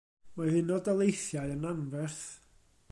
Mae'r Unol Daleithiau yn anferth.